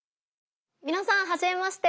みなさんはじめまして。